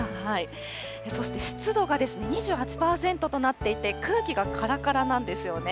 そして湿度が２８％となっていて、空気がからからなんですよね。